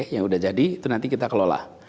yang sudah jadi itu nanti kita kelola